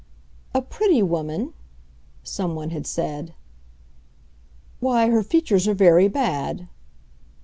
"A pretty woman?" someone had said. "Why, her features are very bad."